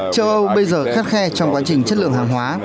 châu âu bây giờ khắt khe trong quá trình chất lượng hàng hóa